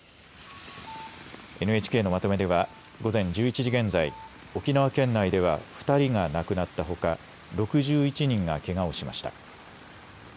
ＮＨＫのまとめでは午前１１時現在、沖縄県内では２人が亡くなったほか６１人がけがをしました。